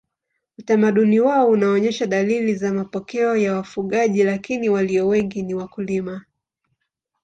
Utamaduni wao unaonyesha dalili za mapokeo ya wafugaji lakini walio wengi ni wakulima.